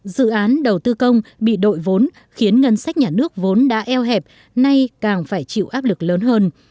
dự án đầu tư công bị đội vốn khiến ngân sách nhà nước vốn đã eo hẹp nay càng phải chịu áp lực lớn hơn